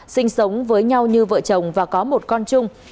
sinh sống với nhau như vợ chồng và có một con chung